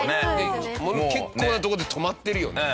結構なとこで止まってるよね。